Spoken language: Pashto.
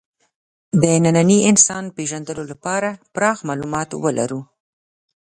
د ننني انسان پېژندلو لپاره پراخ معلومات ولرو.